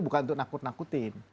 bukan untuk nakut nakutin